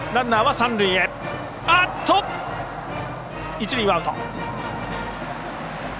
一塁はアウト。